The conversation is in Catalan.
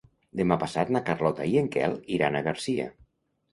Demà passat na Carlota i en Quel iran a Garcia.